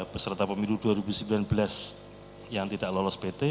beserta pemilu dua ribu sembilan belas yang tidak lolos pt